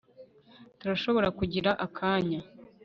turashobora kugira akanya